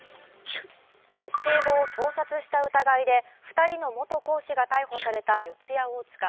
教え子を盗撮した疑いで２人の元講師が逮捕された四谷大塚。